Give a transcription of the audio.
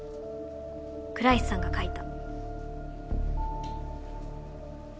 倉石さんが描いた。